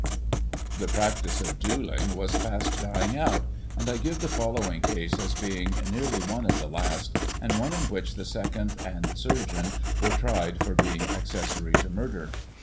The practice of duelling was fast dying out, and I give the following case as being nearly one of the last, and one in which the seconds and surgeon were tried for being acces sory to murder.